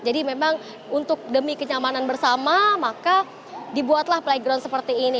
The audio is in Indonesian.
jadi memang untuk demi kenyamanan bersama maka dibuatlah playground seperti ini